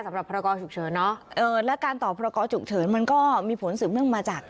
สำหรับภารกอฉุกเฉินเนอะเออแล้วการต่อภารกอฉุกเฉินมันก็มีผลสืบเนื่องมาจาก